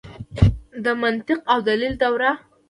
د منطق او دلیل دوره ده.